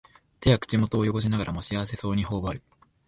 手や口元をよごしながらも幸せそうにほおばる